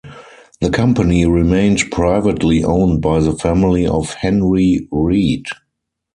The company remained privately owned by the family of Henry Reed.